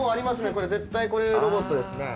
これ絶対ロボットですね。